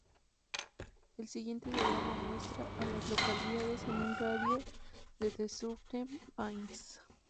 El siguiente diagrama muestra a las localidades en un radio de de Southern Pines.